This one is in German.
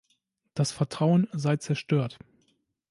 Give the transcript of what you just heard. Das Vertrauen sei zerstört.